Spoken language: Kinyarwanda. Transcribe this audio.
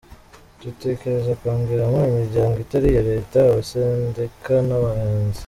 Dutekereza kongeramo imiryango itari iya Leta, amasendika n’abahinzi.